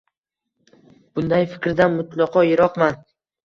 bunday fikrdan mutlaqo yiroqman.